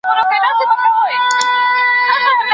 د غزل د ښار پاچا یم شاعران را خبر نه سي.